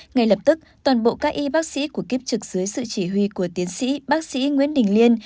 ngay lập tức toàn bộ các y bác sĩ của kiếp trực dưới sự chỉ huy của tiến sĩ bác sĩ nguyễn đình liên